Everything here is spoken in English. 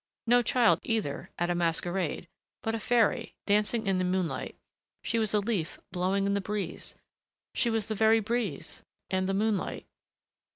No child, either, at a masquerade, but a fairy, dancing in the moonlight.... She was a leaf blowing in the breeze.... She was the very breeze and the moonlight.